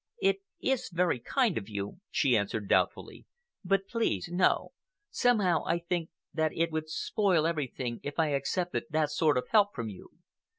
"It is very kind of you," she answered doubtfully; "but please, no. Somehow, I think that it would spoil everything if I accepted that sort of help from you.